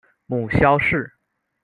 母萧氏。